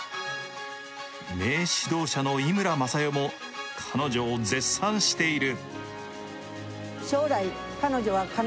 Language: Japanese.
名指導者の井村雅代も彼女を絶賛している。